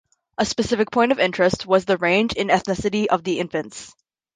A specific point of interest was the range in ethnicity of the infants.